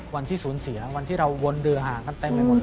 วันที่สูญเสียวันที่เราวนเรือห่างกันเต็มไปหมด